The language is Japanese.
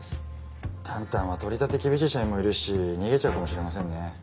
タンタンは取り立て厳しい社員もいるし逃げちゃうかもしれませんね。